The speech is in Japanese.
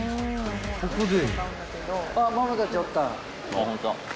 ［ここで］